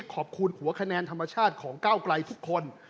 ขอบคุณหัวคะแนนธรรมชาติของก้าวไกลทุกคน